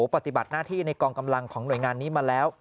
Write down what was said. ปฏิบัติหน้าที่ในกองกำลังของหน่วยงานนี้มาแล้ว